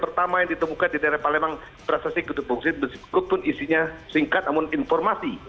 pertama yang ditemukan di daerah palembang prosesi kundukan bukit bersekutun isinya singkat namun informasi